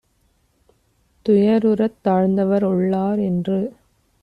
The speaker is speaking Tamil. துயருறத் தாழ்ந்தவர் உள்ளார் - என்று